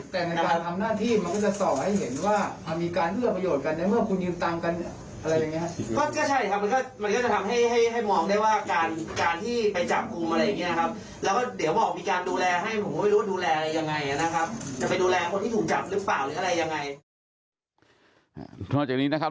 แต่ในการทำหน้าที่มันก็จะสอบให้เห็นว่ามีการเลือกประโยชน์กันในเมื่อคุณยืนตามกันอะไรอย่างนี้ครับ